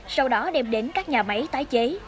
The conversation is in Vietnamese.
sau đó đem đến các nhà máy tái chế